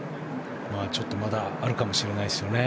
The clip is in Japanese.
ちょっとまだあるかもしれないですよね。